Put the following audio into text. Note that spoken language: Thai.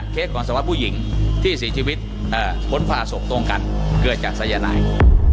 เคสของสวัสดิ์ผู้หญิงที่สิทธิวิตผลภาษกตรงกันเกิดจากสัญญาณาศิลปุ่ม